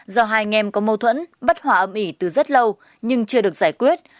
do hai anh em có mâu thuẫn bất hòa âm ỉ từ rất lâu nhưng chưa được giải quyết